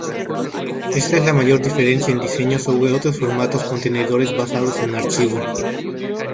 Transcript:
Esta es la mayor diferencia en diseño sobre otros formatos contenedores basados en archivo.